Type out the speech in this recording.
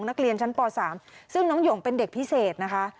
นักเรียนชั้นป๓ซึ่งน้องหยงเป็นเด็กพิเศษนะคะ